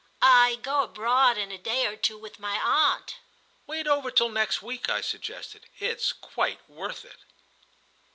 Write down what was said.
"I go abroad in a day or two with my aunt." "Wait over till next week," I suggested. "It's quite worth it."